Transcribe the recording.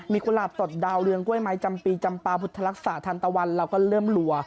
มีกุหลาบสดดาวเรืองกล้วยไม้จำปีจำปาพุทธรักษาทันตะวันเราก็เริ่มรัว